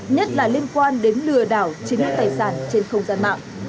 nhất là liên quan đến lừa đảo chiếm đất tài sản trên không gian mạng